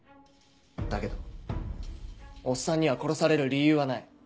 だけどおっさんには殺される理由はない。